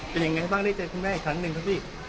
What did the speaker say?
เป็นยังไงบ้างได้เจอคุณแม่อีกครั้งหนึ่งครับพี่